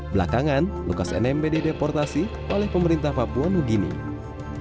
belakangan lukas nmb dideportasi oleh pemerintah papua new guine